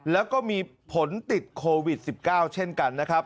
แล้วก็มีผลติดโควิด๑๙เช่นกันนะครับ